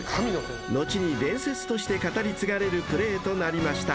［後に伝説として語り継がれるプレーとなりました］